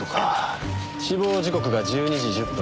死亡時刻が１２時１０分。